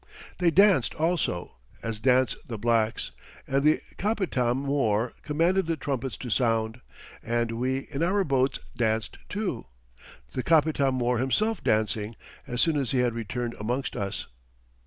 They danced also, as dance the blacks, and the Capitam mõr commanded the trumpets to sound, and we in our boats danced too, the Capitam mõr himself dancing, as soon as he had returned amongst us."